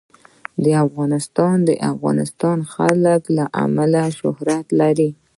افغانستان د د افغانستان جلکو له امله شهرت لري.